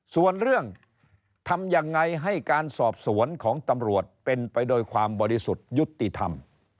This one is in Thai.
ส่วนเรื่องทำยังไงให้การสอบสวนของตำรวจเป็นไปโดยความบริสุทธิ์ยุติธรรม